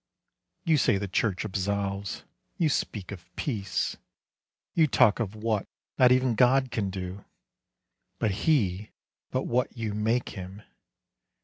You say the church absolves, you speak of peace; You talk of what not even God can do, Be He but what you make Him.